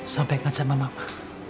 sampaikan sama mama